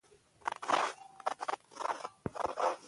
افغانستان د اوښانو له پلوه یو متنوع هېواد دی.